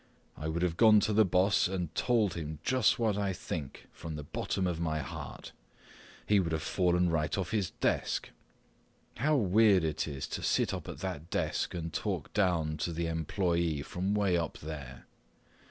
I would've gone to the boss and told him just what I think from the bottom of my heart. He would've fallen right off his desk! How weird it is to sit up at that desk and talk down to the employee from way up there.